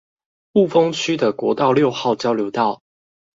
霧峰區的國道六號交流道